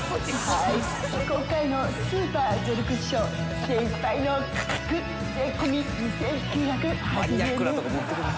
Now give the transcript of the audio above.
今回のスーパージェルクッション精いっぱいの価格税込み２９８０円です